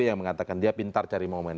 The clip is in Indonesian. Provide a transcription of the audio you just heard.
yang mengatakan dia pintar cari momen